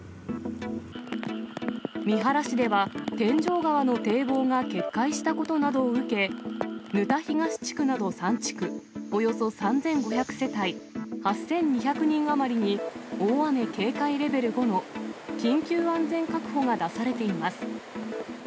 三原市では、天井川の堤防が決壊したことなどを受け、沼田東地区など３地区、およそ３５００世帯８２００人余りに、大雨警戒レベル５の緊急安全確保が出されています。